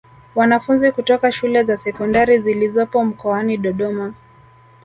Wanafunzi kutoka shule za Sekondari zilizopo mkoani Dodoma